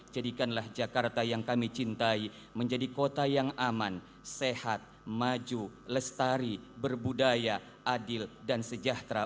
jadikanlah jakarta yang kami cintai menjadi kota yang aman sehat maju lestari berbudaya adil dan sejahtera